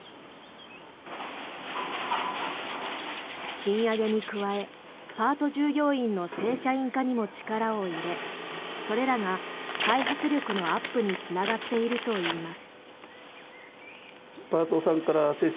賃上げに加えパート従業員の正社員化にも力を入れそれらが開発力のアップにつながっているといいます。